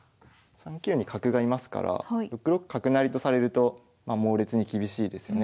３九に角がいますから６六角成とされると猛烈に厳しいですよね